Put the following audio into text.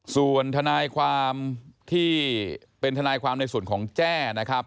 ส่วนทนายความที่เป็นทนายความในส่วนของแจ้นะครับ